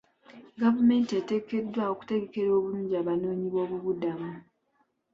Gavumenti eteekeddwa okutegekera obulungi abanoonyi b'obubuddamu.